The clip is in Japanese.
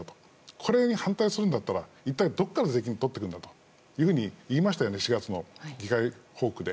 これに反対するなら一体どこから税金を取ってくるんだと言いましたよね、４月の議会で。